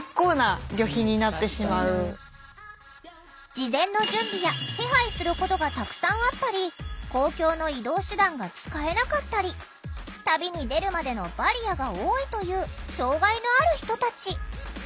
事前の準備や手配することがたくさんあったり公共の移動手段が使えなかったり旅に出るまでのバリアが多いという障害のある人たち。